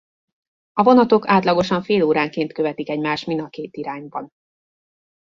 A vonatok átlagosan fél óránként követik egymást min a két irányban.